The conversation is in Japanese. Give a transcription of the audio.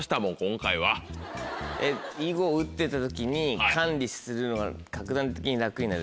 えっ囲碁を打ってた時に管理するのが格段に楽になる。